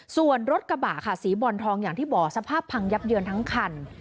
ส่วนรถกระบะค่ะสีบอลทองอย่างที่บอกสภาพพังยับเยินทั้งคัน